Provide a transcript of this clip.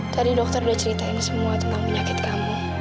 tadi dokter udah ceritain semua tentang penyakit kamu